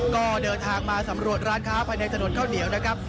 ก็เดินทางมาสำรวจร้านค้าภายในถนนข้าวเหนียวนะครับ